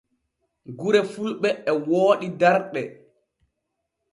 Gure fulɓe e wooɗi darɗe.